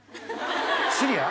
シリア？